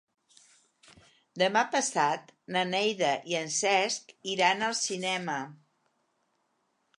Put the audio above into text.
Demà passat na Neida i en Cesc iran al cinema.